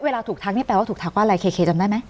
เวลาถูกทักนี่แปลว่าถูกทักว่าอะไรเคจำได้ไหม